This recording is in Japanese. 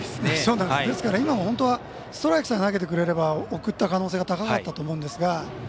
ですから、今も本当はストライクさえ投げてくれれば送った可能性が高かったと思うんですが。